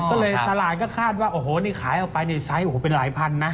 ก็เลยตลาดก็คาดว่าโอ้โหนี่ขายออกไปนี่ไซส์โอ้โหเป็นหลายพันนะ